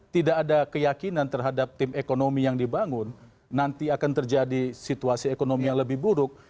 tidak ada keyakinan terhadap tim ekonomi yang dibangun nanti akan terjadi situasi ekonomi yang lebih buruk